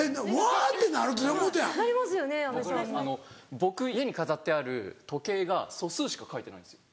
僕家に飾ってある時計が素数しか書いてないんですよ。